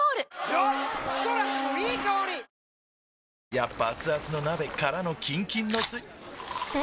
やっぱアツアツの鍋からのキンキンのスん？